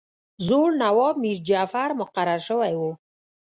زوړ نواب میرجعفر مقرر شوی وو.